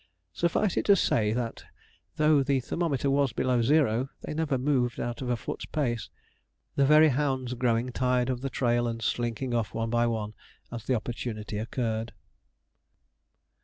Suffice it to say that, though the thermometer was below zero, they never moved out of a foot's pace; the very hounds growing tired of the trail, and slinking off one by one as the opportunity occurred.